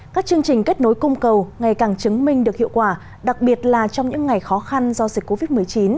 các chương trình kết nối cung cầu ngày càng chứng minh được hiệu quả đặc biệt là trong những ngày khó khăn do dịch covid một mươi chín